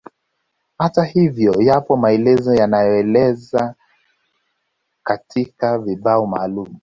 Hata hivyo yapo maelezo yanaoelekeza katika vibao maalumu